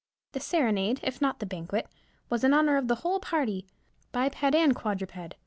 The serenade, if not the banquet, was in honor of the whole party, biped and quadruped.